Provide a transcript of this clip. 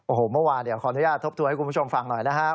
โอ้โหเมื่อวานเดี๋ยวขออนุญาตทบทวนให้คุณผู้ชมฟังหน่อยนะครับ